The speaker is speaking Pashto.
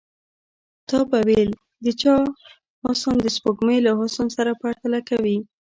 تا به ويل د چا حسن د سپوږمۍ له حسن سره پرتله کوي.